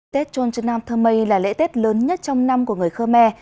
tết trôn trần nam thơ mây là lễ tết lớn nhất trong năm của người khơ me